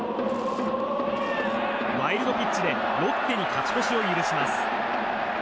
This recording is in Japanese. ワイルドピッチでロッテに勝ち越しを許します。